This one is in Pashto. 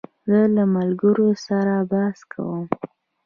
زه له ملګرو سره بحث کوم.